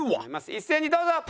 一斉にどうぞ！